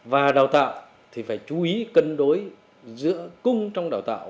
và đào tạo thì phải chú ý cân đối giữa cung trong đào tạo